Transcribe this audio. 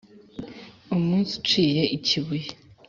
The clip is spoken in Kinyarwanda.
Umunsi uciye ikibuye